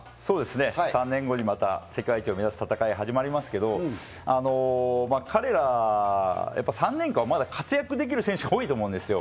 そうですね、３年後にまた世界一を目指す戦いが始まりますけど、彼ら、３年間まだ活躍できる選手が多いと思うんですよ。